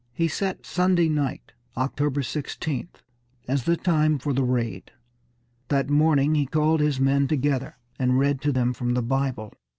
He set Sunday night, October 16th, as the time for the raid. That morning he called his men together and read to them from the Bible.